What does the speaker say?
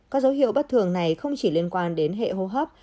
các dấu hiệu bất thường này không chỉ liên quan đến hệ hô hấp